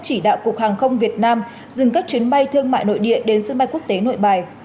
chỉ đạo cục hàng không việt nam dừng các chuyến bay thương mại nội địa đến sân bay quốc tế nội bài